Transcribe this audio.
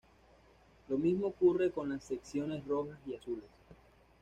Lo mismo ocurre con las secciones rojas y azules.